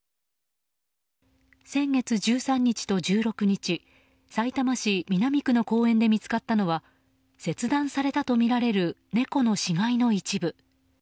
先月１３日と１６日さいたま市南区の公園で見つかったのは切断されたとみられる猫の死骸の一部。